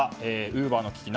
ウーバーの危機